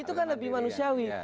itu kan lebih manusiawi